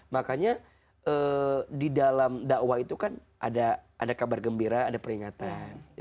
makanya di dalam dakwah itu kan ada kabar gembira ada peringatan